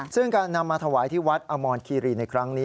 ซึ่งการนำมาถวายที่วัดอมรคีรีในครั้งนี้